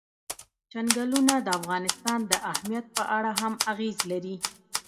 چنګلونه د افغانستان د امنیت په اړه هم اغېز لري.